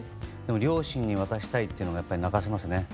両親に渡したいっていうのが泣かせますね。